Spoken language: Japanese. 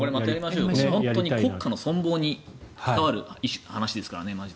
本当に国家の存亡に関わる話ですからね。